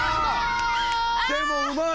でもうまい！